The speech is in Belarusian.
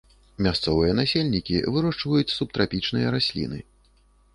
Мясцовыя насельнікі вырошчваюць субтрапічныя расліны.